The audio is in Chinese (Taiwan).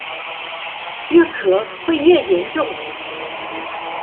越咳會越嚴重